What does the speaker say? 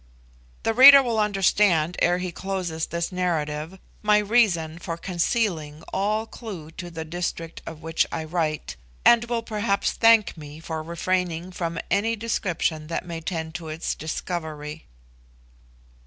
The reader will understand, ere he close this narrative, my reason for concealing all clue to the district of which I write, and will perhaps thank me for refraining from any description that may tend to its discovery.